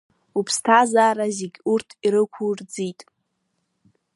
Уԥсҭазаара зегь урҭ ирықәурӡит…